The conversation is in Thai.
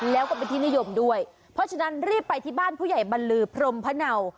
แล้วก็เป็นที่นิยมด้วยเพราะฉะนั้นรีบไปที่บ้านผู้ใหญ่บรรลือพรมพะเนา